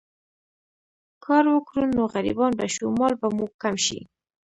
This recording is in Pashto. کار وکړو نو غريبان به شو، مال به مو کم شي